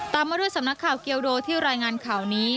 มาด้วยสำนักข่าวเกียวโดที่รายงานข่าวนี้